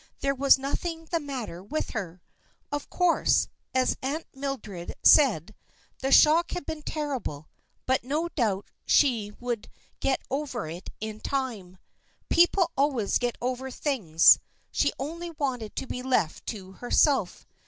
There was nothing the matter with her. Of course, as Aunt Mildred said, the shock had been terrible; but no doubt she would get over it in time. People always get over things. She only wanted to be left to herself.